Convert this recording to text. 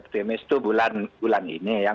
pertemis itu bulan ini